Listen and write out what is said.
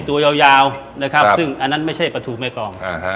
ตัวยาวจึงอันนั้นไม่ใช่ปลาทูแม่กอง